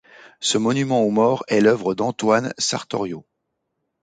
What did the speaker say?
Ce monument aux morts est l’œuvre d'Antoine Sartorio.